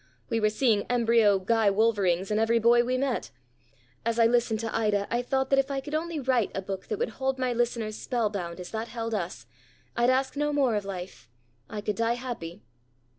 We were seeing embryo Guy Wolverings in every boy we met. As I listened to Ida I thought that if I could only write a book that would hold my listeners spellbound as that held us, I'd ask no more of life. I could die happy."